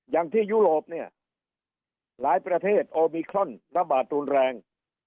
อย่างที่ยุโรปหลายประเทศโอมิครอนรบาดตรงแรง